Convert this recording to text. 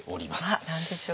あっ何でしょう？